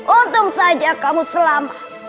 untung saja kamu selamat